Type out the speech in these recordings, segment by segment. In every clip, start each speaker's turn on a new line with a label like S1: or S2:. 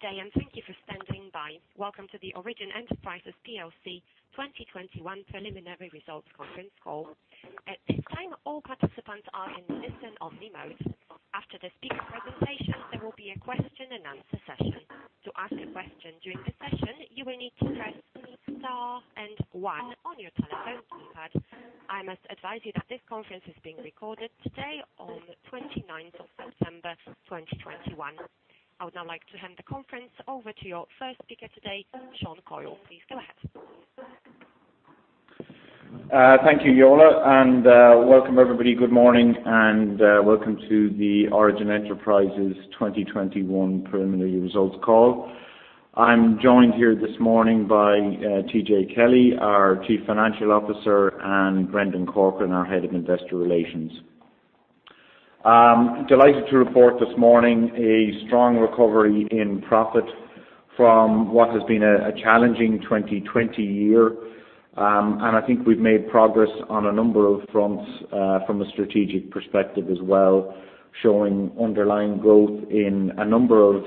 S1: Good day, and thank you for standing by. Welcome to the Origin Enterprises plc 2021 Preliminary results Conference Call. At this time, all participants are in listen-only mode. After the speaker presentation, there will be a question-and-answer session. To ask a question during the session, you will need to press star and one on your telephone keypad. I must advise you that this conference is being recorded today on 29th of September 2021. I would now like to hand the conference over to your first speaker today, Sean Coyle. Please go ahead.
S2: Thank you, Yola, and welcome everybody. Good morning, and welcome to the Origin Enterprises 2021 preliminary results call. I'm joined here this morning by TJ Kelly, our Chief Financial Officer, and Brendan Corcoran, our Head of Investor Relations. I'm delighted to report this morning a strong recovery in profit from what has been a challenging 2020 year. I think we've made progress on a number of fronts, from a strategic perspective as well, showing underlying growth in a number of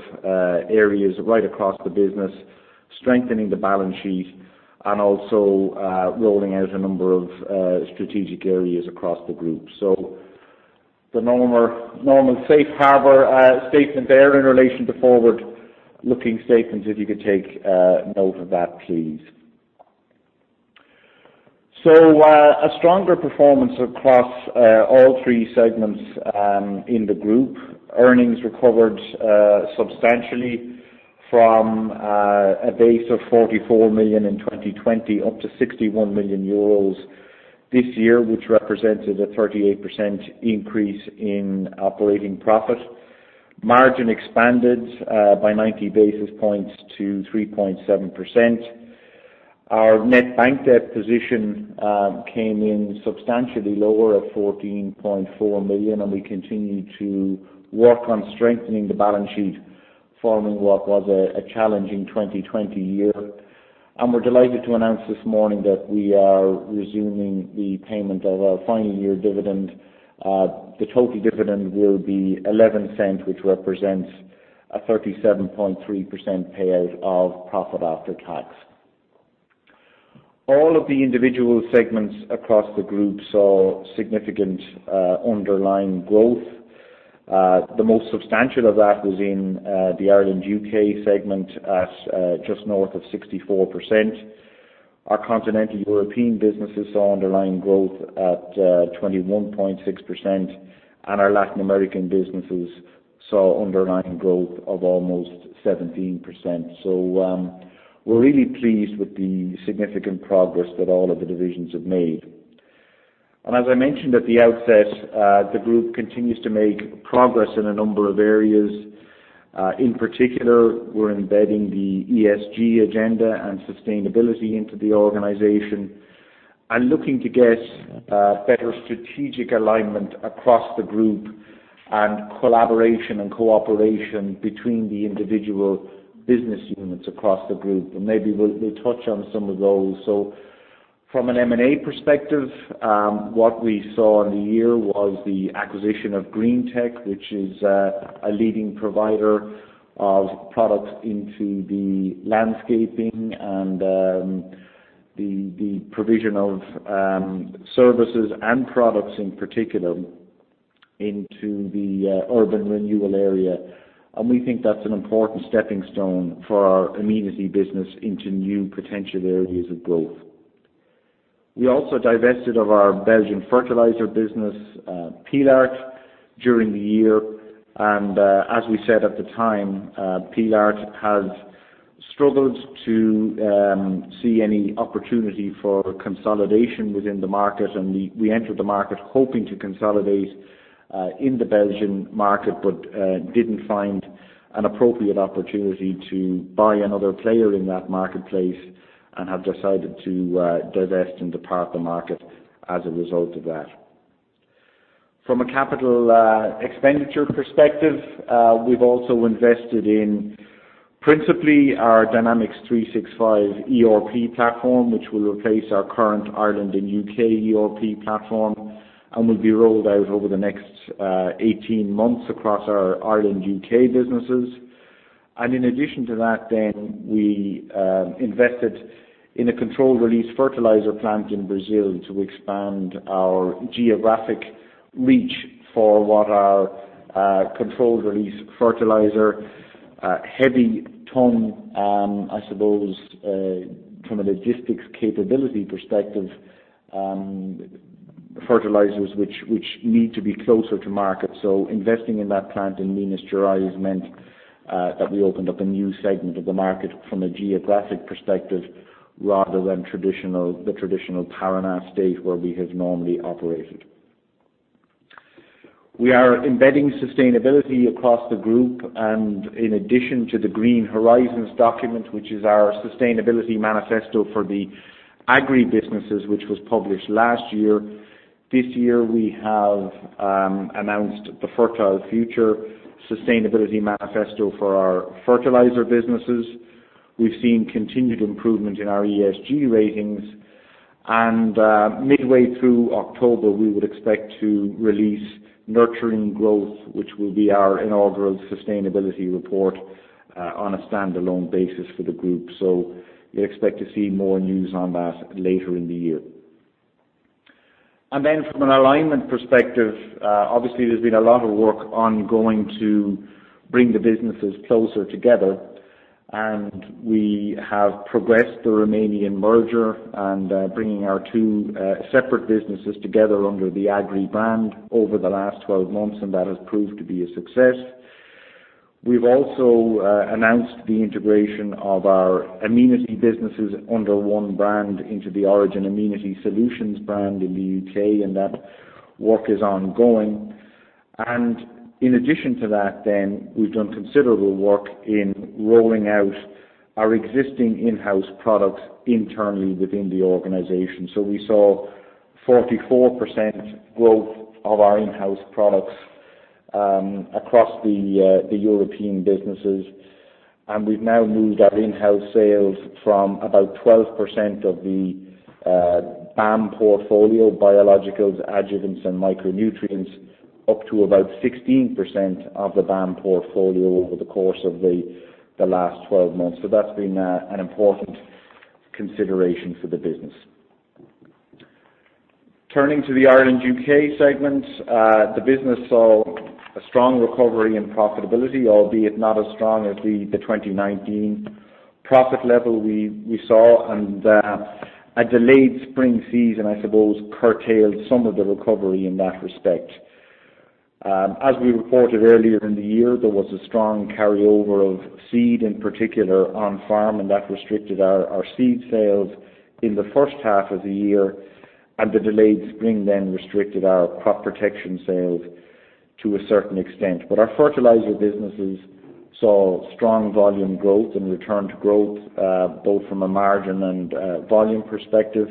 S2: areas right across the business, strengthening the balance sheet and also rolling out a number of strategic areas across the group. The normal safe harbor statement there in relation to forward-looking statements, if you could take note of that, please. A stronger performance across all three segments in the group. Earnings recovered substantially from a base of 44 million in 2020 up to 61 million euros this year, which represented a 38% increase in operating profit. Margin expanded by 90 basis points to 3.7%. Our net bank debt position came in substantially lower at 14.4 million. We continued to work on strengthening the balance sheet following what was a challenging 2020 year. We're delighted to announce this morning that we are resuming the payment of our final year dividend. The total dividend will be 0.11, which represents a 37.3% payout of profit after tax. All of the individual segments across the group saw significant underlying growth. The most substantial of that was in the Ireland, U.K. segment at just north of 64%. Our continental European businesses saw underlying growth at 21.6%. Our Latin American businesses saw underlying growth of almost 17%. We're really pleased with the significant progress that all of the divisions have made. As I mentioned at the outset, the group continues to make progress in a number of areas. In particular, we're embedding the ESG agenda and sustainability into the organization and looking to get better strategic alignment across the group and collaboration and cooperation between the individual business units across the group. Maybe we'll touch on some of those. From an M&A perspective, what we saw in the year was the acquisition of Green-tech, which is a leading provider of products into the landscaping and the provision of services and products in particular into the urban renewal area. We think that's an important stepping stone for our Amenity business into new potential areas of growth. We also divested of our Belgian fertilizer business, Pillaert, during the year. As we said at the time, Pillaert has struggled to see any opportunity for consolidation within the market. We entered the market hoping to consolidate in the Belgian market but didn't find an appropriate opportunity to buy another player in that marketplace and have decided to divest and depart the market as a result of that. From a capital expenditure perspective, we've also invested in principally our Dynamics 365 ERP platform, which will replace our current Ireland and U.K. ERP platform and will be rolled out over the next 18 months across our Ireland, U.K. businesses. In addition to that then, we invested in a controlled release fertilizer plant in Brazil to expand our geographic reach for what our controlled release fertilizer, heavy tone, I suppose from a logistics capability perspective, fertilizers which need to be closer to market. Investing in that plant in Minas Gerais meant that we opened up a new segment of the market from a geographic perspective rather than the traditional Parana state where we have normally operated. We are embedding sustainability across the group, and in addition to the Green Horizons document which is our sustainability manifesto for the agri businesses, which was published last year. This year, we have announced the Fertile Future sustainability manifesto for our fertilizer businesses. We've seen continued improvement in our ESG ratings, and midway through October, we would expect to release Nurturing Growth, which will be our inaugural sustainability report on a standalone basis for the group. You'd expect to see more news on that later in the year. From an alignment perspective, obviously there's been a lot of work ongoing to bring the businesses closer together, we have progressed the Romanian merger and bringing our two separate businesses together under the Agrii brand over the last 12 months, and that has proved to be a success. We've also announced the integration of our Amenity businesses under one brand into the Origin Amenity Solutions brand in the U.K., and that work is ongoing. In addition to that then, we've done considerable work in rolling out our existing in-house products internally within the organization. We saw 44% growth of our in-house products across the European businesses, and we've now moved our in-house sales from about 12% of the BAM portfolio, biologicals, adjuvants, and micronutrients, up to about 16% of the BAM portfolio over the course of the last 12 months. That's been an important consideration for the business. Turning to the Ireland, U.K. segment, the business saw a strong recovery in profitability, albeit not as strong as the 2019 profit level we saw, and a delayed spring season, I suppose, curtailed some of the recovery in that respect. As we reported earlier in the year, there was a strong carryover of seed, in particular, on farm, and that restricted our seed sales in the first half of the year, and the delayed spring then restricted our crop protection sales to a certain extent. Our fertilizer businesses saw strong volume growth and return to growth, both from a margin and volume perspective.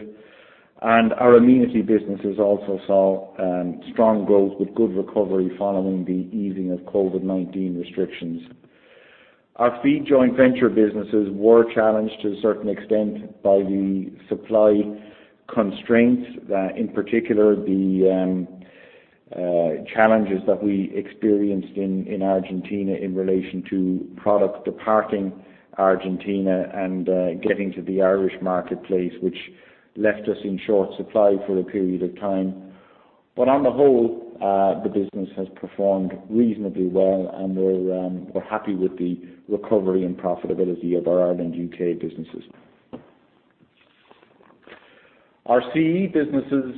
S2: Our Amenity businesses also saw strong growth with good recovery following the easing of COVID-19 restrictions. Our feed joint venture businesses were challenged to a certain extent by the supply constraints, in particular, the challenges that we experienced in Argentina in relation to product departing Argentina and getting to the Irish marketplace, which left us in short supply for a period of time. On the whole, the business has performed reasonably well, and we're happy with the recovery and profitability of our Ireland, U.K. businesses. Our CE businesses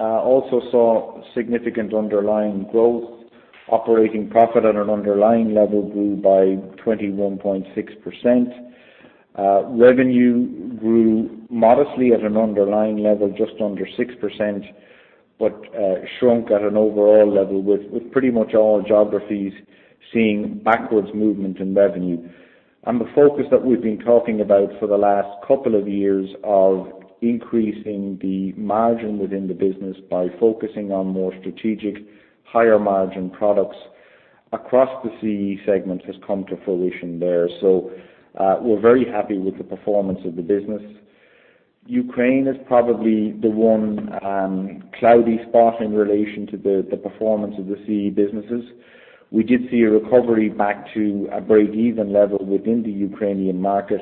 S2: also saw significant underlying growth. Operating profit at an underlying level grew by 21.6%. Revenue grew modestly at an underlying level, just under 6%, but shrunk at an overall level with pretty much all geographies seeing backwards movement in revenue. The focus that we've been talking about for the last couple of years of increasing the margin within the business by focusing on more strategic, higher margin products across the CE segment has come to fruition there. We're very happy with the performance of the business. Ukraine is probably the one cloudy spot in relation to the performance of the CE businesses. We did see a recovery back to a break-even level within the Ukrainian market,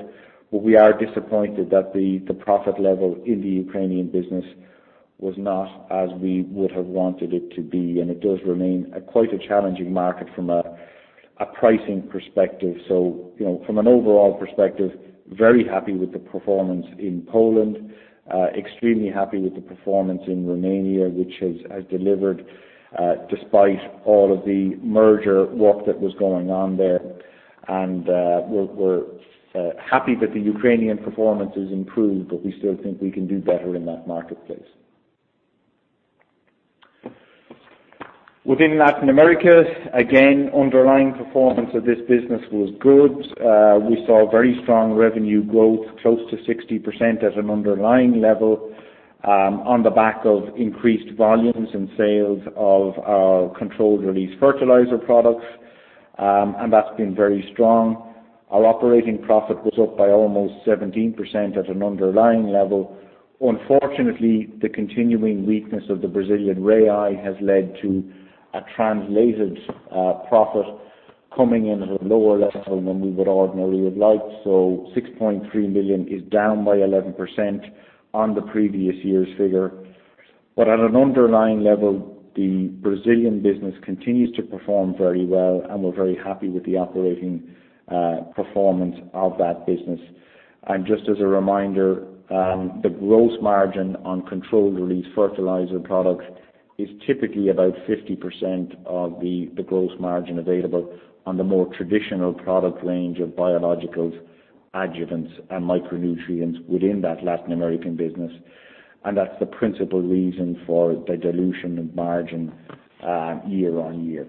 S2: but we are disappointed that the profit level in the Ukrainian business was not as we would have wanted it to be, and it does remain quite a challenging market from a pricing perspective. From an overall perspective, very happy with the performance in Poland. Extremely happy with the performance in Romania, which has delivered despite all of the merger work that was going on there. We're happy that the Ukrainian performance has improved, but we still think we can do better in that marketplace. Within Latin America, again, underlying performance of this business was good. We saw very strong revenue growth, close to 60% at an underlying level, on the back of increased volumes and sales of our controlled-release fertilizer products, and that's been very strong. Our operating profit was up by almost 17% at an underlying level. Unfortunately, the continuing weakness of the Brazilian real has led to a translated profit coming in at a lower level than we would ordinarily have liked. 6.3 million is down by 11% on the previous year's figure. At an underlying level, the Brazilian business continues to perform very well, and we're very happy with the operating performance of that business. Just as a reminder, the growth margin on controlled-release fertilizer products is typically about 50% of the gross margin available on the more traditional product range of biologicals, adjuvants, and micronutrients within that Latin American business. That's the principal reason for the dilution of margin year-on-year.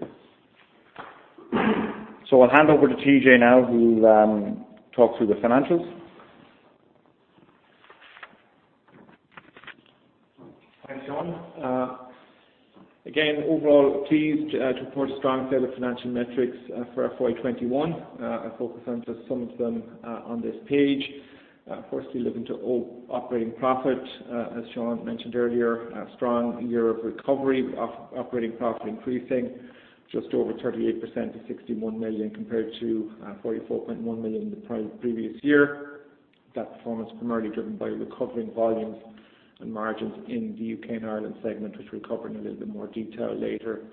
S2: I'll hand over to TJ now who'll talk through the financials.
S3: Thanks, Sean. Overall pleased to report strong set of financial metrics for our FY 2021. I'll focus on just some of them on this page. Looking to operating profit. As Sean mentioned earlier, a strong year of recovery. Operating profit increasing just over 38% to 61 million, compared to 44.1 million the previous year. That performance primarily driven by recovering volumes and margins in the U.K. and Ireland segment, which we'll cover in a little bit more detail later.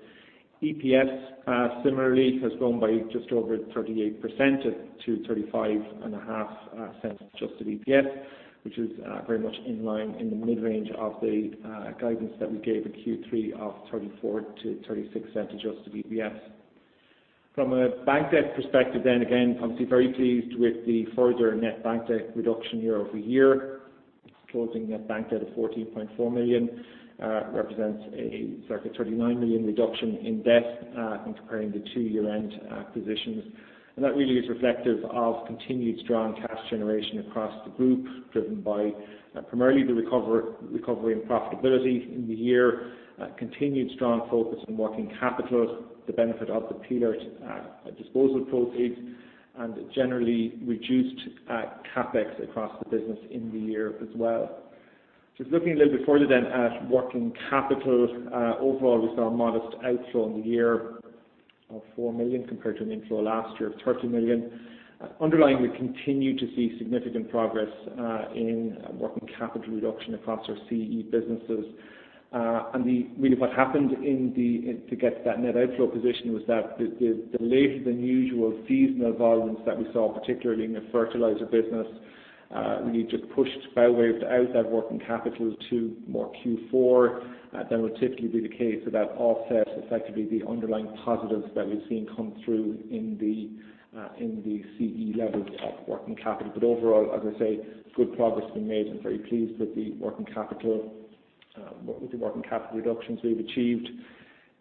S3: EPS, similarly, has grown by just over 38% to 0.355 Adjusted EPS, which is very much in line in the mid-range of the guidance that we gave at Q3 of 0.34-0.36 Adjusted EPS. From a bank debt perspective and then again, I'll be very pleased with the further net bank debt reduction year-over-year. Closing net bank debt of 14.4 million represents a circa 39 million reduction in debt in comparing the two year-end positions. That really is reflective of continued strong cash generation across the group, driven by primarily the recovery in profitability in the year, continued strong focus on working capital, the benefit of the Pillaert disposal proceeds, and generally reduced CapEx across the business in the year as well. Just looking a little bit further then at working capital. Overall, we saw a modest outflow in the year of 4 million compared to an inflow last year of 30 million. Underlying, we continue to see significant progress in working capital reduction across our CE businesses. Really what happened to get to that net outflow position was that the later-than-usual seasonal volumes that we saw, particularly in the fertilizer business, really just pushed BioWave out that working capital to more Q4 than would typically be the case. That offsets effectively the underlying positives that we've seen come through in the CE levels of working capital. Overall, as I say, good progress been made and very pleased with the working capital reductions we've achieved.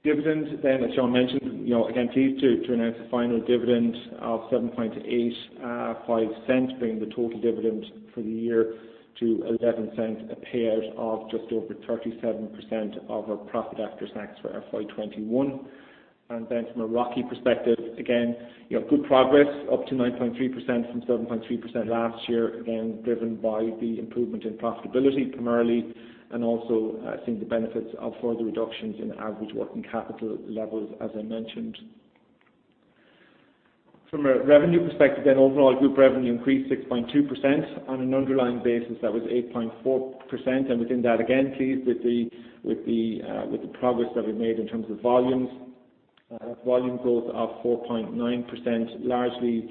S3: Dividends then, as Sean mentioned, again, pleased to announce the final dividend of 0.0785, bringing the total dividend for the year to 0.11, a payout of just over 37% of our profit after tax for our FY 2021. From a ROCE perspective, again, good progress up to 9.3% from 7.3% last year, again, driven by the improvement in profitability primarily, and also seeing the benefits of further reductions in average working capital levels, as I mentioned. From a revenue perspective, overall group revenue increased 6.2%. On an underlying basis, that was 8.4%. Within that, again, pleased with the progress that we've made in terms of volumes. Volume growth of 4.9%, largely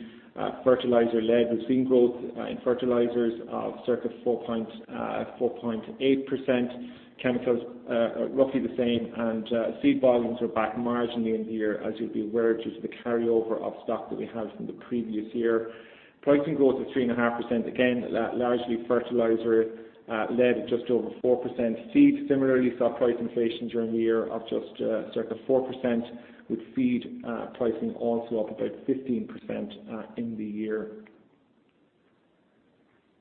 S3: fertilizer-led. We've seen growth in fertilizers of circa 4.8%. Chemicals are roughly the same, and seed volumes are back marginally in the year, as you'll be aware, due to the carryover of stock that we had from the previous year. Pricing growth of 3.5%. Again, largely fertilizer-led at just over 4%. Feed similarly saw price inflation during the year of just circa 4%, with feed pricing also up about 15% in the year.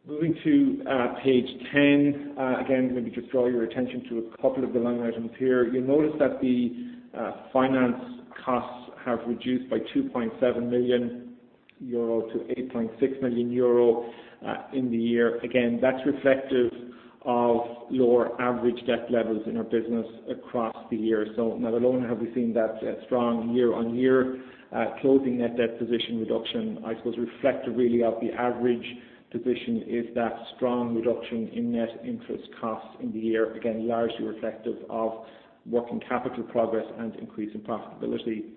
S3: Moving to page 10. Maybe just draw your attention to a couple of the line items here. You'll notice that the finance costs have reduced by 2.7 million euro to 8.6 million euro in the year. Again, that's reflective of lower average debt levels in our business across the year. Not alone have we seen that strong year-on-year closing net debt position reduction, I suppose reflective really of the average position is that strong reduction in net interest costs in the year. Largely reflective of working capital progress and increase in profitability.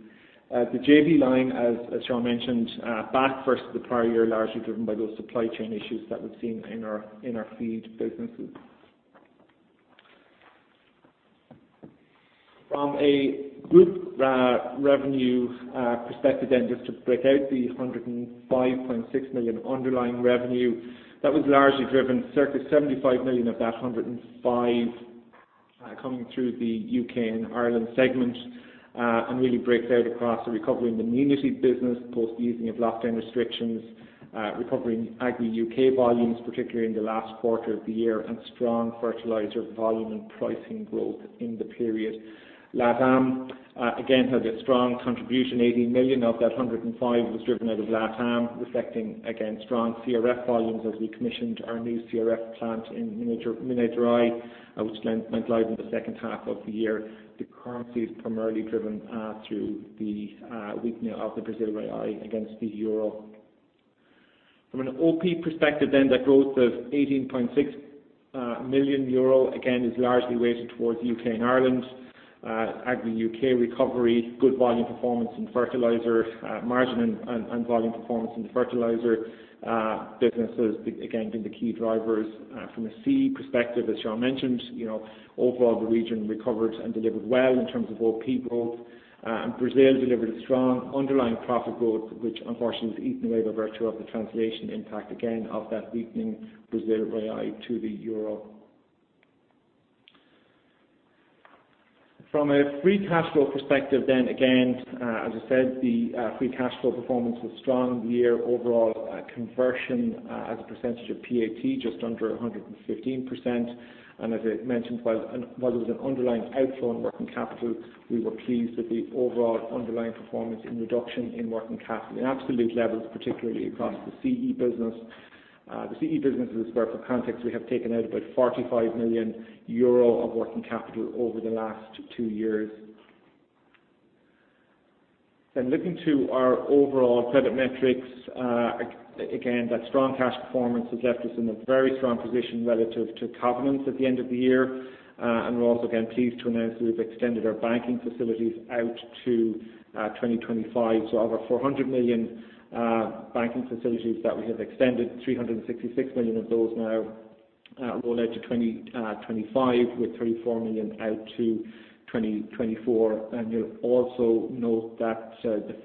S3: The JV line, as Sean mentioned, back versus the prior year, largely driven by those supply chain issues that we've seen in our feed businesses. From a group revenue perspective, just to break out the 105.6 million underlying revenue, that was largely driven, circa 75 million of that 105 coming through the U.K. and Ireland segment, really breaks out across the recovery in the Amenity business, post easing of lockdown restrictions, recovery in Agrii U.K. volumes, particularly in the last quarter of the year, strong fertilizer volume and pricing growth in the period. LATAM again, had a strong contribution. 18 million of that 105 was driven out of LATAM, reflecting, again, strong CRF volumes as we commissioned our new CRF plant in Minas Gerais, which went live in the second half of the year. The currency is primarily driven through the weakening of the Brazilian real against the Euro. From an OP perspective, that growth of 18.6 million euro, again, is largely weighted towards the U.K. and Ireland. Agrii U.K. recovery, good volume performance in fertilizer, margin and volume performance in the fertilizer business has again been the key drivers. From a CE perspective, as Sean mentioned, overall the region recovered and delivered well in terms of OP growth. Brazil delivered a strong underlying profit growth, which unfortunately was eaten away by virtue of the translation impact, again, of that weakening Brazilian real to the Euro. From a Free Cash Flow perspective, again, as I said, the Free Cash Flow performance was strong. The year overall conversion as a percentage of PAT, just under 115%. As I mentioned, while there was an underlying outflow in working capital, we were pleased with the overall underlying performance in reduction in working capital. In absolute levels, particularly across the CE business. The CE business, for context, we have taken out about 45 million euro of working capital over the last two years. Looking to our overall credit metrics, again, that strong cash performance has left us in a very strong position relative to covenants at the end of the year. We're also, again, pleased to announce that we've extended our banking facilities out to 2025. Over 400 million banking facilities that we have extended, 366 million of those now roll out to 2025, with 34 million out to 2024. You'll also note that the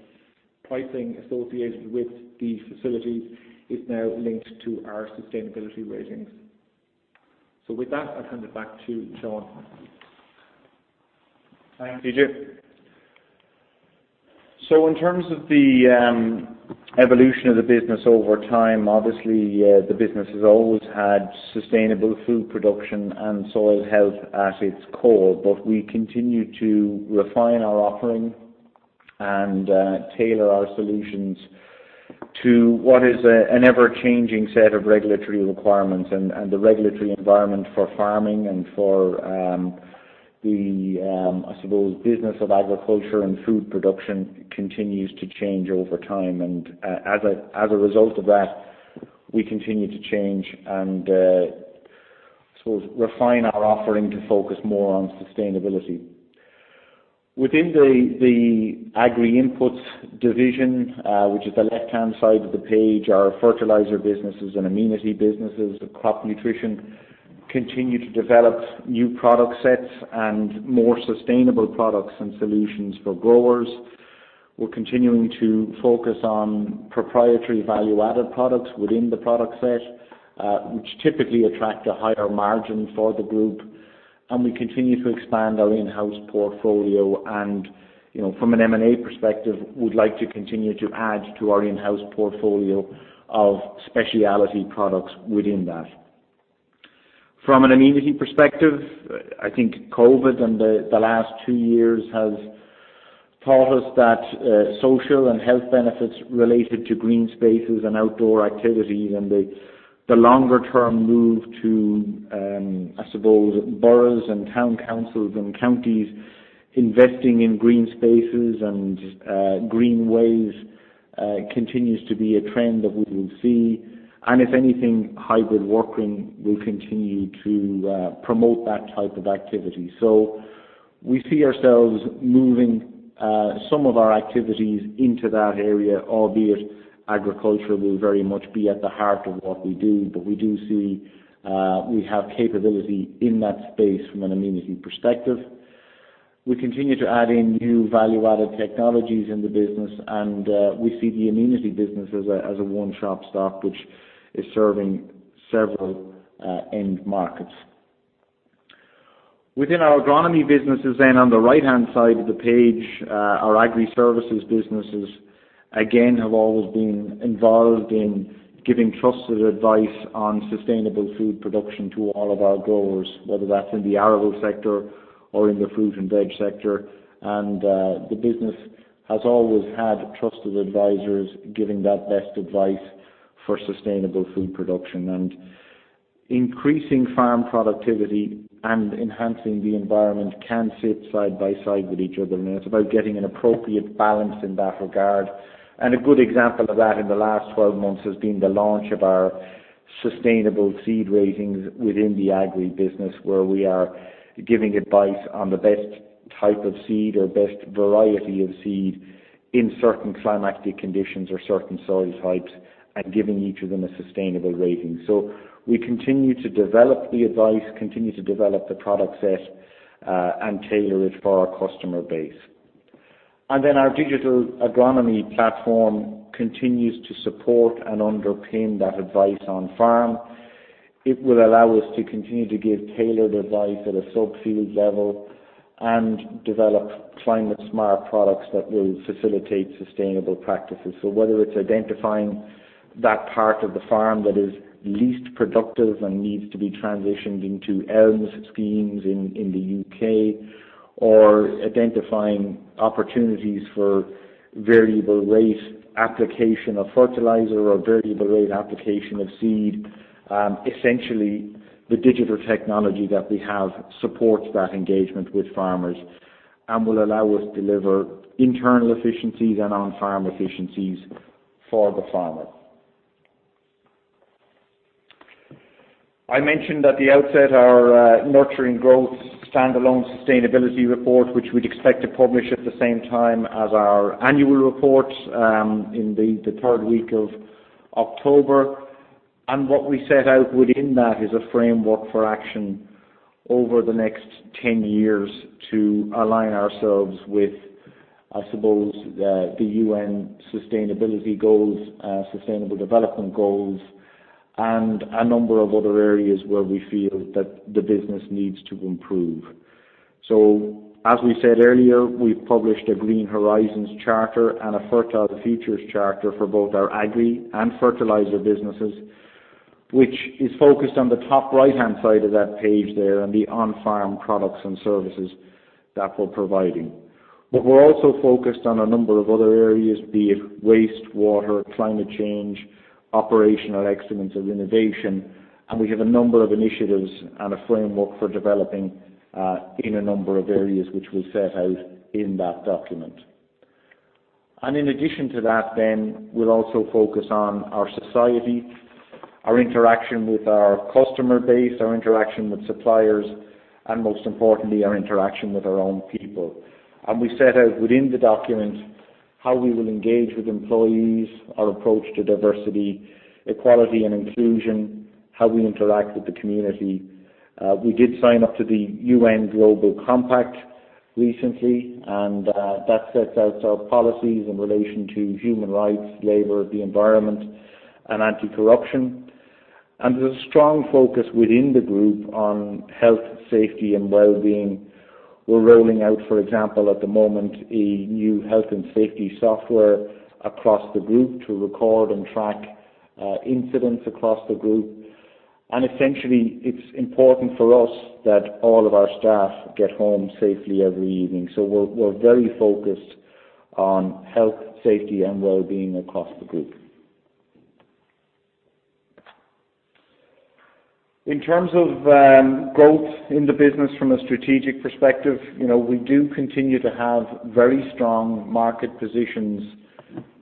S3: pricing associated with the facilities is now linked to our sustainability ratings. With that, I'll hand it back to Sean.
S2: Thanks, TJ. In terms of the evolution of the business over time, obviously, the business has always had sustainable food production and soil health at its core. We continue to refine our offering and tailor our solutions to what is an ever-changing set of regulatory requirements. The regulatory environment for farming and for the, I suppose, business of agriculture and food production continues to change over time. As a result of that, we continue to change and, I suppose, refine our offering to focus more on sustainability. Within the Agri-inputs division, which is the left-hand side of the page, our fertilizer businesses and amenity businesses, the crop nutrition continue to develop new product sets and more sustainable products and solutions for growers. We're continuing to focus on proprietary value-added products within the product set which typically attract a higher margin for the group, and we continue to expand our in-house portfolio. From an M&A perspective, we'd like to continue to add to our in-house portfolio of specialty products within that. From an Amenity perspective, I think COVID in the last two years has taught us that social and health benefits related to green spaces and outdoor activities, and the longer-term move to, I suppose, boroughs and town councils and counties investing in green spaces and greenways continues to be a trend that we will see. If anything, hybrid working will continue to promote that type of activity. We see ourselves moving some of our activities into that area, albeit agriculture will very much be at the heart of what we do. We do see we have capability in that space from an Amenity perspective. We continue to add in new value-added technologies in the business, and we see the Amenity business as a one-shop stop which is serving several end markets. Within our agronomy businesses, on the right-hand side of the page, our Agri-services businesses, again, have always been involved in giving trusted advice on sustainable food production to all of our growers, whether that's in the arable sector or in the fruit and veg sector. The business has always had trusted advisors giving that best advice for sustainable food production. Increasing farm productivity and enhancing the environment can sit side by side with each other now. It's about getting an appropriate balance in that regard. A good example of that in the last 12 months has been the launch of our sustainable seed ratings within the Agri business, where we are giving advice on the best type of seed or best variety of seed in certain climatic conditions or certain soil types, and giving each of them a sustainable rating. We continue to develop the advice, continue to develop the product set, and tailor it for our customer base. Our digital agronomy platform continues to support and underpin that advice on farm. It will allow us to continue to give tailored advice at a sub-field level and develop climate-smart products that will facilitate sustainable practices. Whether it's identifying that part of the farm that is least productive and needs to be transitioned into ELMS schemes in the U.K., or identifying opportunities for variable rate application of fertilizer or variable rate application of seed. Essentially, the digital technology that we have supports that engagement with farmers and will allow us to deliver internal efficiencies and on-farm efficiencies for the farmer. I mentioned at the outset our Nurturing Growth standalone sustainability report, which we'd expect to publish at the same time as our annual report in the third week of October. What we set out within that is a framework for action over the next 10 years to align ourselves with I suppose the UN sustainability goals, Sustainable Development Goals, and a number of other areas where we feel that the business needs to improve. As we said earlier, we've published a Green Horizons charter and a Fertile Futures charter for both our Agri and fertilizer businesses, which is focused on the top right-hand side of that page there and the on-farm products and services that we're providing. We're also focused on a number of other areas, be it waste, water, climate change, operational excellence, and innovation. We have a number of initiatives and a framework for developing in a number of areas which we set out in that document. In addition to that, then we'll also focus on our society, our interaction with our customer base, our interaction with suppliers, and most importantly, our interaction with our own people. We set out within the document how we will engage with employees, our approach to diversity, equality, and inclusion, how we interact with the community. We did sign up to the UN Global Compact recently, that sets out our policies in relation to human rights, labor, the environment, and anti-corruption. There's a strong focus within the group on health, safety, and wellbeing. We're rolling out, for example, at the moment, a new health and safety software across the group to record and track incidents across the group. Essentially, it's important for us that all of our staff get home safely every evening. We're very focused on health, safety, and wellbeing across the group. In terms of growth in the business from a strategic perspective, we do continue to have very strong market positions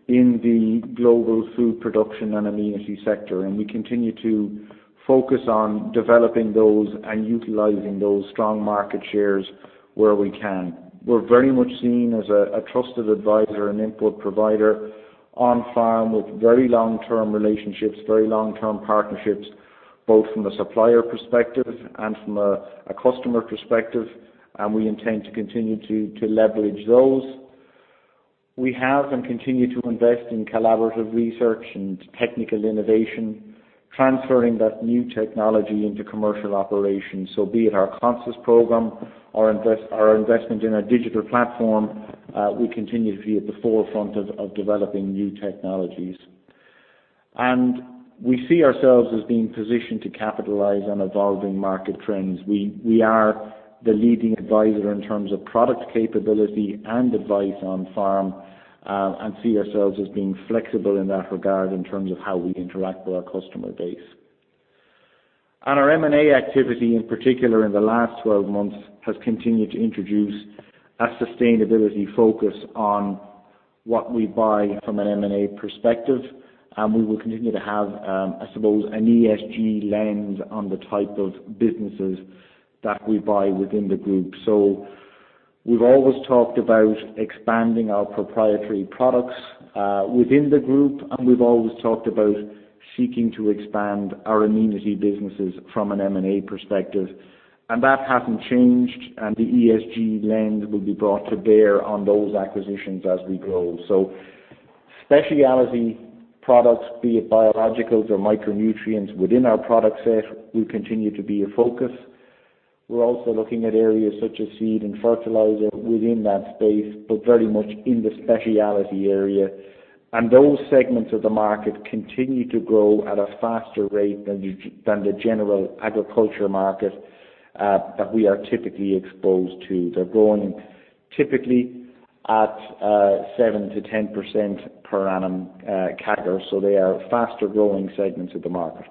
S2: in the global food production and Amenity sector, and we continue to focus on developing those and utilizing those strong market shares where we can. We're very much seen as a trusted advisor and input provider on farm with very long-term relationships, very long-term partnerships, both from a supplier perspective and from a customer perspective, and we intend to continue to leverage those. We have and continue to invest in collaborative research and technical innovation, transferring that new technology into commercial operations. Be it our CONSUS program, our investment in our digital platform, we continue to be at the forefront of developing new technologies. We see ourselves as being positioned to capitalize on evolving market trends. We are the leading advisor in terms of product capability and advice on farm, and see ourselves as being flexible in that regard in terms of how we interact with our customer base. Our M&A activity, in particular in the last 12 months, has continued to introduce a sustainability focus on what we buy from an M&A perspective. We will continue to have, I suppose, an ESG lens on the type of businesses that we buy within the group. We've always talked about expanding our proprietary products within the group, and we've always talked about seeking to expand our Amenity businesses from an M&A perspective. That hasn't changed, and the ESG lens will be brought to bear on those acquisitions as we grow. Specialty products, be it biologicals or micronutrients within our product set, will continue to be a focus. We're also looking at areas such as seed and fertilizer within that space but very much in the specialty area. Those segments of the market continue to grow at a faster rate than the general agriculture market that we are typically exposed to. They're growing typically at 7% to 10% per annum CAGR, so they are faster-growing segments of the market.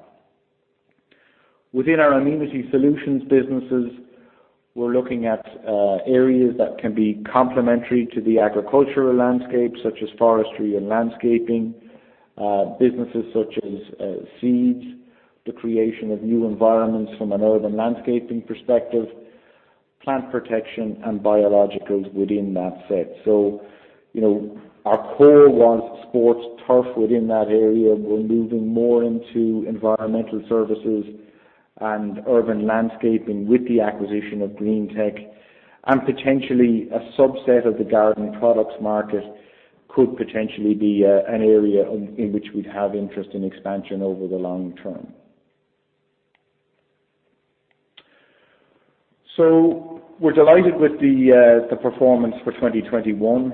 S2: Within our Amenity Solutions businesses, we're looking at areas that can be complementary to the agricultural landscape, such as forestry and landscaping, businesses such as seeds, the creation of new environments from an urban landscaping perspective, plant protection, and biologicals within that set. Our core was sports turf within that area. We're moving more into environmental services and urban landscaping with the acquisition of Green-tech, and potentially a subset of the garden products market could potentially be an area in which we'd have interest in expansion over the long term. We're delighted with the performance for 2021.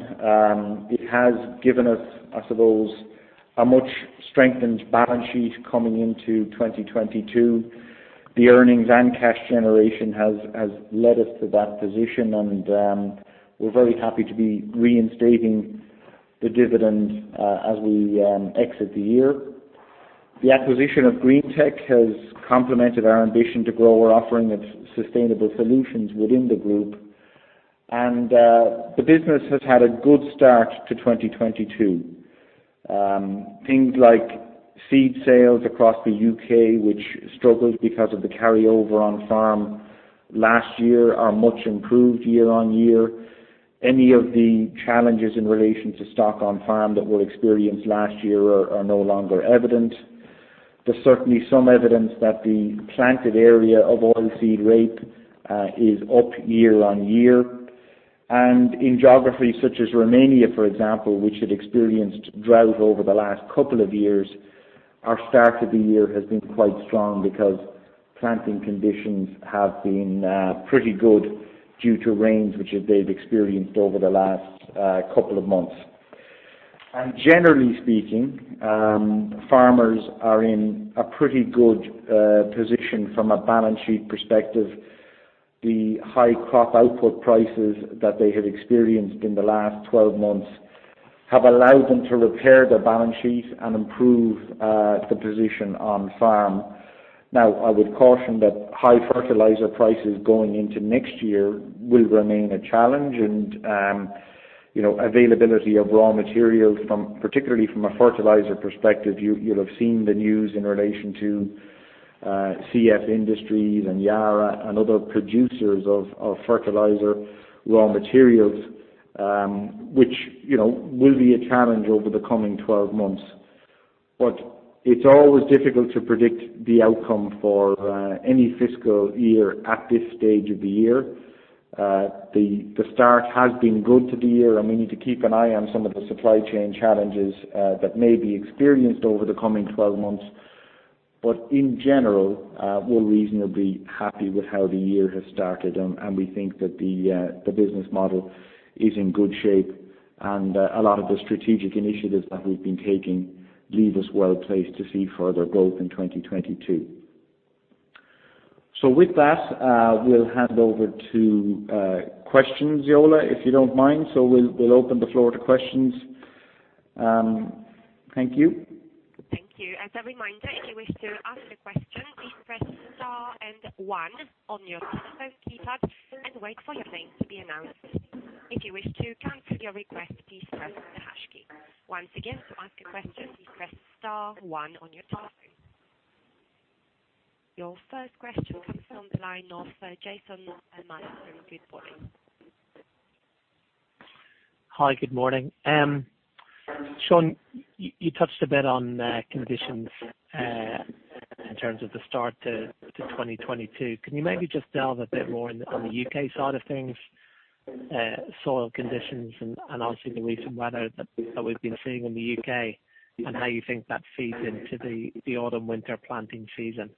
S2: It has given us, I suppose, a much strengthened balance sheet coming into 2022. The earnings and cash generation has led us to that position, and we're very happy to be reinstating the dividend as we exit the year. The acquisition of Green-tech has complemented our ambition to grow our offering of sustainable solutions within the group, and the business has had a good start to 2022. Things like seed sales across the U.K., which struggled because of the carryover on farm last year, are much improved year-on-year. Any of the challenges in relation to stock on farm that were experienced last year are no longer evident. There's certainly some evidence that the planted area of oilseed rape is up year-on-year. In geographies such as Romania, for example, which had experienced drought over the last couple of years, our start to the year has been quite strong because planting conditions have been pretty good due to rains which they've experienced over the last couple of months. Generally speaking, farmers are in a pretty good position from a balance sheet perspective. The high crop output prices that they have experienced in the last 12 months have allowed them to repair their balance sheet and improve the position on farm. Now, I would caution that high fertilizer prices going into next year will remain a challenge, and availability of raw materials, particularly from a fertilizer perspective, you'll have seen the news in relation to CF Industries and Yara and other producers of fertilizer raw materials, which will be a challenge over the coming 12 months. It's always difficult to predict the outcome for any fiscal year at this stage of the year. The start has been good to the year, and we need to keep an eye on some of the supply chain challenges that may be experienced over the coming 12 months. In general, we're reasonably happy with how the year has started, and we think that the business model is in good shape, and a lot of the strategic initiatives that we've been taking leave us well-placed to see further growth in 2022. With that, we'll hand over to questions, Yola, if you don't mind. We'll open the floor to questions. Thank you.
S1: Thank you. As a reminder, if you wish to ask a question, please press star and one on your telephone keypad as you wait for your name to be announced. If you wish to count your request please press the hash key. Once again, to ask a question, please you press star one on your telephone. Your first question comes from the line of Jason Meister. Good morning.
S4: Hi, good morning. Sean, you touched a bit on conditions in terms of the start to 2022. Can you maybe just delve a bit more on the U.K. side of things, soil conditions and obviously the recent weather that we've been seeing in the U.K., and how you think that feeds into the autumn-winter planting season?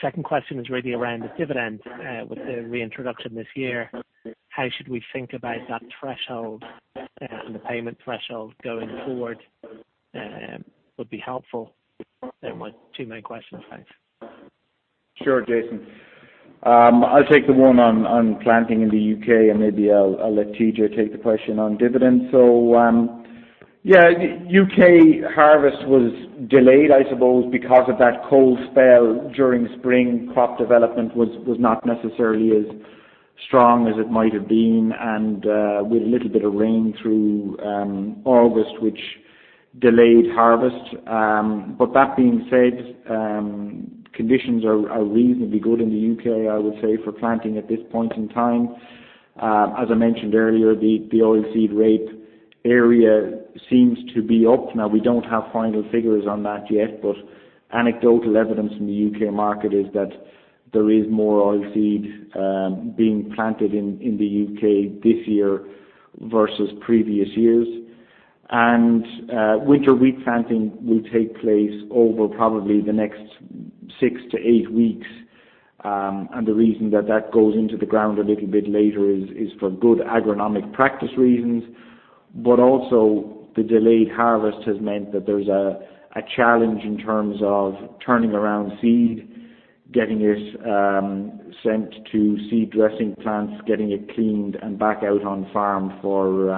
S4: Second question is really around the dividend with the reintroduction this year. How should we think about that payment threshold going forward? Would be helpful. They're my two main questions. Thanks.
S2: Sure, Jason. I'll take the one on planting in the U.K., and maybe I'll let TJ take the question on dividends. U.K. harvest was delayed, I suppose, because of that cold spell during spring. Crop development was not necessarily as strong as it might have been and with a little bit of rain through August, which delayed harvest. That being said, conditions are reasonably good in the U.K., I would say, for planting at this point in time. As I mentioned earlier, the oilseed rape area seems to be up. We don't have final figures on that yet, but anecdotal evidence in the U.K. market is that there is more oilseed being planted in the U.K. this year versus previous years. Winter wheat planting will take place over probably the next six to eight weeks, and the reason that that goes into the ground a little bit later is for good agronomic practice reasons. Also, the delayed harvest has meant that there's a challenge in terms of turning around seed, getting it sent to seed dressing plants, getting it cleaned and back out on farm for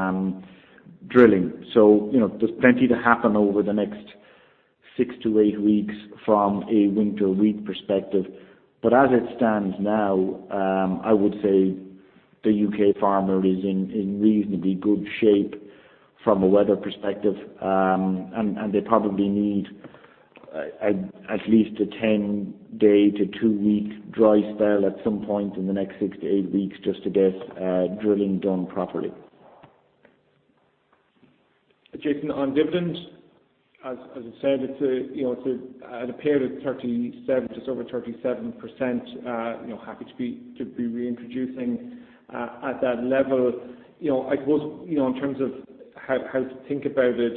S2: drilling. There's plenty to happen over the next six to eight weeks from a winter wheat perspective. As it stands now, I would say the U.K. farmer is in reasonably good shape from a weather perspective, and they probably need at least a 10-day to two-week dry spell at some point in the next six to eight weeks just to get drilling done properly.
S3: Jason, on dividends, as I said, it appeared at just over 37%. Happy to be reintroducing at that level. I suppose, in terms of how to think about it,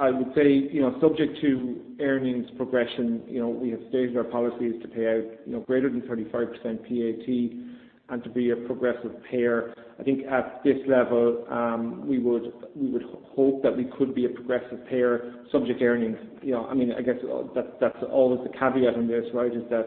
S3: I would say, subject to earnings progression, we have stated our policy is to pay out greater than 35% PAT and to be a progressive payer. I think at this level, we would hope that we could be a progressive payer subject earnings. I guess that's always the caveat in this, right, is that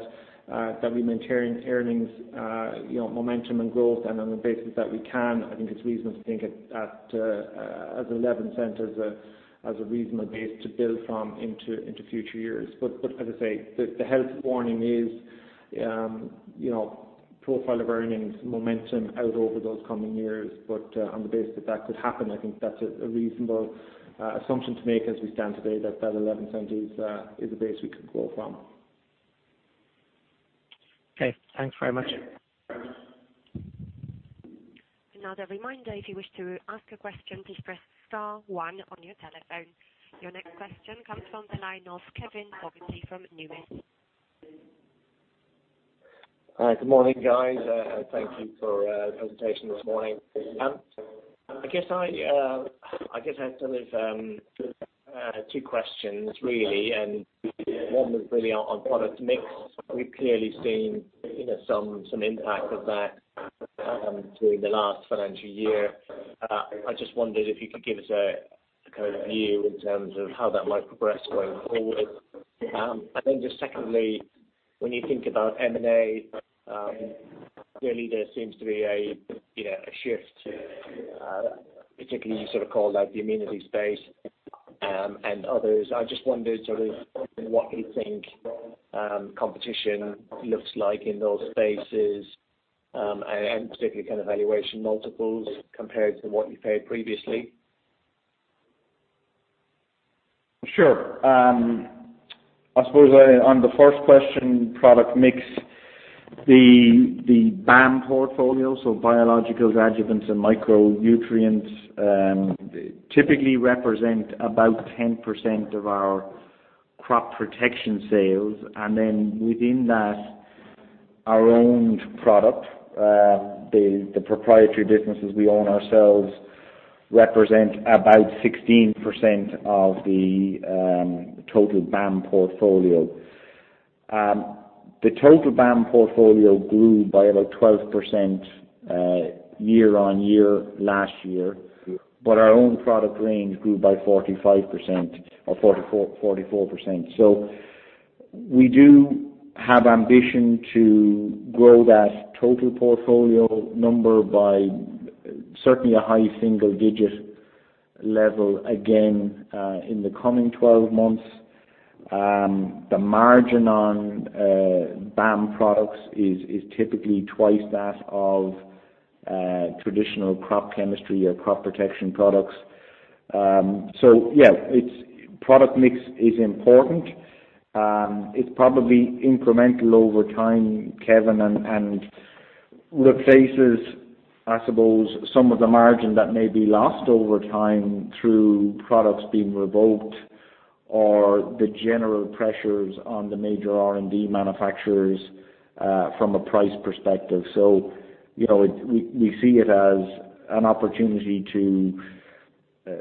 S3: we maintain earnings momentum and growth, and on the basis that we can, I think it's reasonable to think at 0.11 as a reasonable base to build from into future years. As I say, the health warning is profile of earnings momentum out over those coming years. On the basis that that could happen, I think that is a reasonable assumption to make as we stand today, that 0.11 is a base we can grow from.
S4: Okay, thanks very much.
S1: Another reminder, if you wish to ask a question, please press star one on your telephone. Your next question comes from the line of Kevin Fogarty from Numis.
S5: Hi. Good morning, guys. Thank you for the presentation this morning. I guess I have two questions really. One was really on product mix. We've clearly seen some impact of that during the last financial year. I just wondered if you could give us a view in terms of how that might progress going forward. Then just secondly, when you think about M&A, clearly there seems to be a shift, particularly you called out the Amenity space, and others. I just wondered sort of what you think competition looks like in those spaces, particularly kind of valuation multiples compared to what you paid previously?
S2: For sure. I suppose on the first question, product mix, the BAM portfolio, so biologicals, adjuvants, and micronutrients, typically represent about 10% of our crop protection sales. Then within that, our owned product, the proprietary businesses we own ourselves, represent about 16% of the total BAM portfolio. The total BAM portfolio grew by about 12% year-on-year last year. Our own product range grew by 45% or 44%. We do have ambition to grow that total portfolio number by certainly a high single-digit level again in the coming 12 months. The margin on BAM products is typically twice that of traditional crop chemistry or crop protection products. Yeah, product mix is important. It's probably incremental over time, Kevin, and replaces, I suppose, some of the margin that may be lost over time through products being revoked or the general pressures on the major R&D manufacturers from a price perspective. We see it as an opportunity to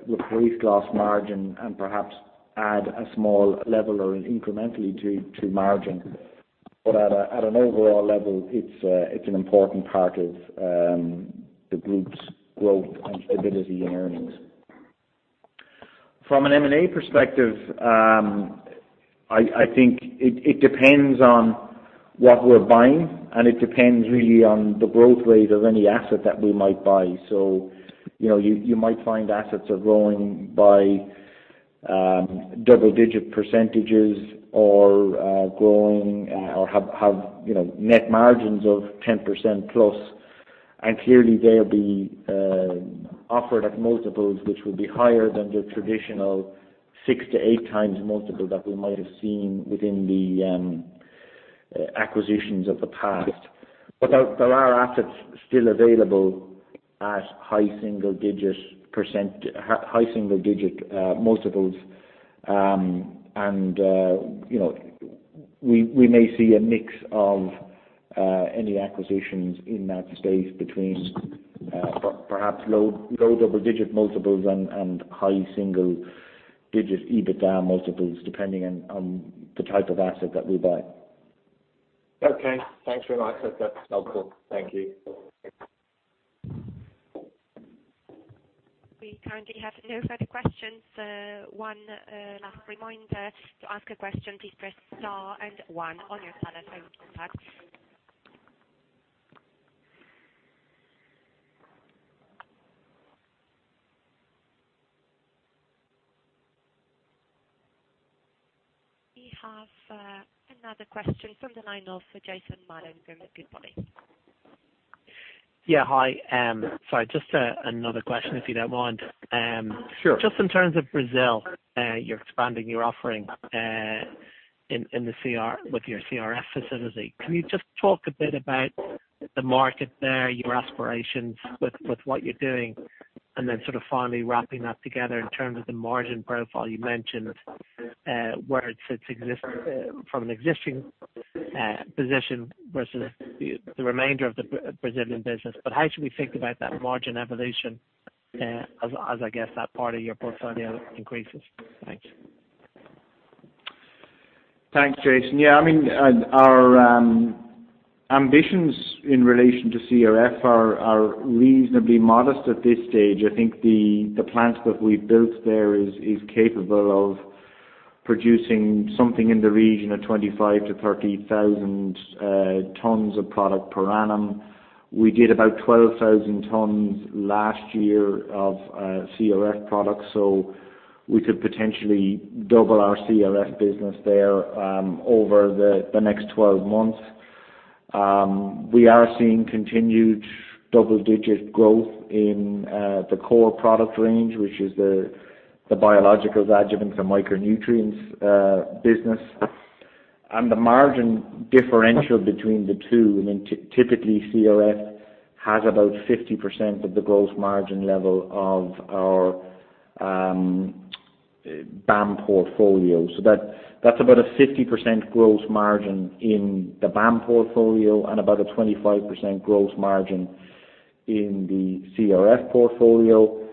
S2: replace lost margin and perhaps add a small level or incrementally to margin. At an overall level, it's an important part of the group's growth and stability and earnings. From an M&A perspective, I think it depends on what we're buying, and it depends really on the growth rate of any asset that we might buy. You might find assets are growing by double-digit percentages or have net margins of 10%+, and clearly they'll be offered at multiples which will be higher than the traditional six to eight times multiple that we might have seen within the acquisitions of the past. There are assets still available at high single-digit multiples. We may see a mix of any acquisitions in that space between perhaps low double-digit multiples and high single-digit EBITDA multiples, depending on the type of asset that we buy.
S5: Okay, thanks very much. That is helpful. Thank you.
S1: We currently have no further questions. One last reminder, to ask a question, please press star and one on your telephone keypad. We have another question from the line of Jason Molins. Good morning.
S6: Yeah, hi. Sorry, just another question, if you don't mind.
S2: Sure.
S6: In terms of Brazil, you're expanding your offering with your CRF facility. Can you just talk a bit about the market there, your aspirations with what you're doing, finally wrapping that together in terms of the margin profile you mentioned, from an existing position versus the remainder of the Brazilian business? How should we think about that margin evolution as I guess that part of your portfolio increases? Thanks.
S2: Thanks, Jason. Yeah, our ambitions in relation to CRF are reasonably modest at this stage. I think the plant that we've built there is capable of producing something in the region of 25,000 to 30,000 tons of product per annum. We did about 12,000 tons last year of CRF product, we could potentially double our CRF business there over the next 12 months. We are seeing continued double-digit growth in the core product range, which is the biologicals, adjuvants, and micronutrients business. The margin differential between the two, typically CRF has about 50% of the gross margin level of our BAM portfolio. That's about a 50% gross margin in the BAM portfolio and about a 25% gross margin in the CRF portfolio.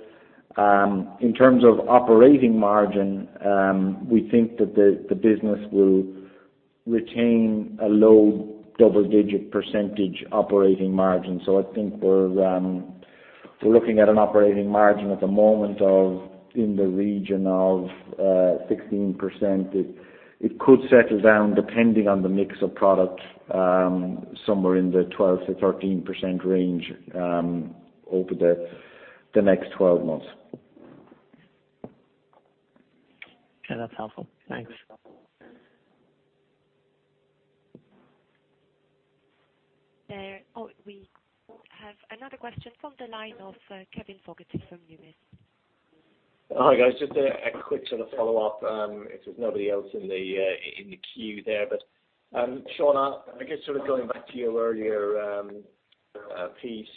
S2: In terms of operating margin, we think that the business will retain a low double-digit percentage operating margin. I think we're looking at an operating margin at the moment in the region of 16%. It could settle down, depending on the mix of product, somewhere in the 12%-13% range over the next 12 months.
S6: Okay, that's helpful. Thanks.
S1: We have another question from the line of Kevin Fogarty from Numis.
S5: Hi, guys. Just a quick sort of follow-up, if there's nobody else in the queue there. Sean, I guess sort of going back to your earlier piece,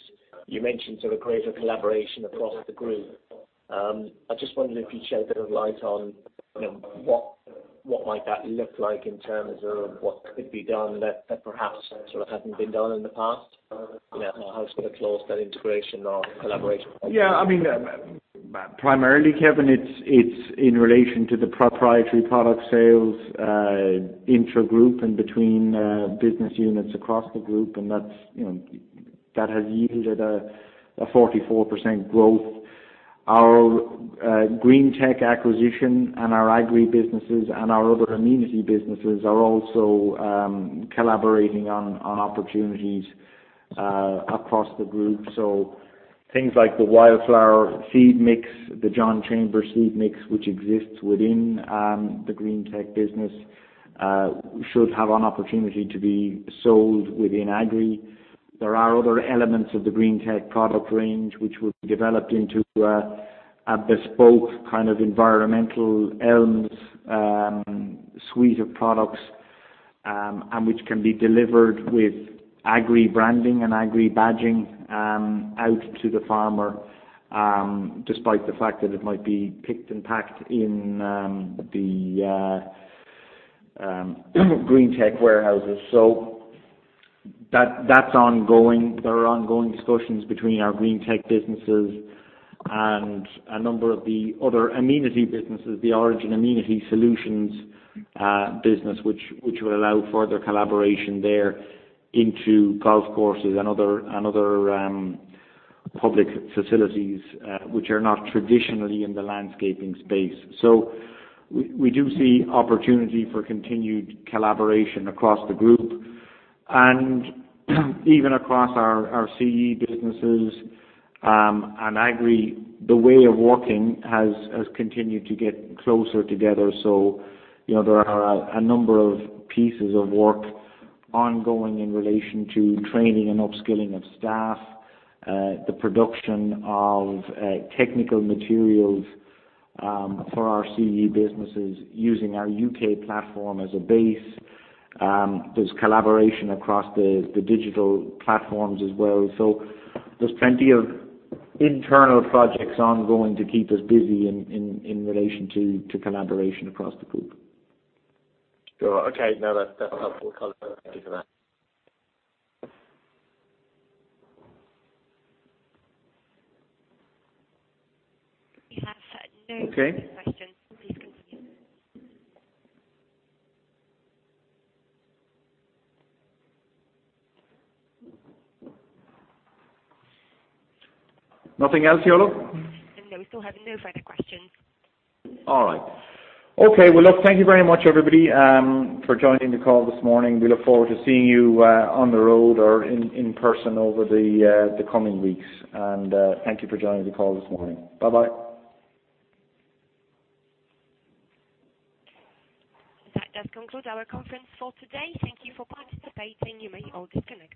S5: you mentioned sort of greater collaboration across the group. I just wondered if you'd shed a bit of light on what might that look like in terms of what could be done that perhaps hadn't been done in the past? How sort of close that integration or collaboration?
S2: Primarily, Kevin, it's in relation to the proprietary product sales intragroup and between business units across the group. That has yielded a 44% growth. Our Green-tech acquisition and our Agri businesses and our other Amenity businesses are also collaborating on opportunities across the group. Things like the wildflower seed mix, the John Chambers seed mix, which exists within the Green-tech business, should have an opportunity to be sold within Agri. There are other elements of the Green-tech product range which will be developed into a bespoke kind of environmental ELMs suite of products, and which can be delivered with Agri branding and Agri badging out to the farmer, despite the fact that it might be picked and packed in the Green-tech warehouses. That's ongoing. There are ongoing discussions between our Green-tech businesses and a number of the other Amenity businesses, the Origin Amenity Solutions business, which will allow further collaboration there into golf courses and other public facilities which are not traditionally in the landscaping space. We do see opportunity for continued collaboration across the group and even across our CE businesses and Agri. The way of working has continued to get closer together, so there are a number of pieces of work ongoing in relation to training and upskilling of staff, the production of technical materials for our CE businesses using our U.K. platform as a base. There's collaboration across the digital platforms as well. There's plenty of internal projects ongoing to keep us busy in relation to collaboration across the group.
S5: Sure. Okay, no, that's helpful. Thank you for that.
S1: We have no further questions.
S2: Okay.
S1: Please continue.
S2: Nothing else, Yola?
S1: No, we still have no further questions.
S2: All right. Okay, well, look, thank you very much, everybody, for joining the call this morning. We look forward to seeing you on the road or in person over the coming weeks. Thank you for joining the call this morning. Bye-bye.
S1: That does conclude our conference for today. Thank you for participating. You may all disconnect.